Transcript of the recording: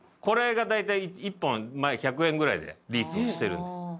これが大体１本１００円ぐらいでリースをしてるんです。